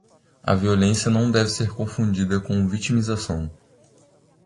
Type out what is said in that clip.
A violência não deve ser confundida com vitimização